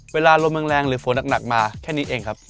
เวลาลมแรงหรือฝนหนักมาแค่นี้เองครับ